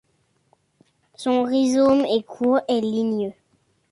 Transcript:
Son rhizome est court et ligneux.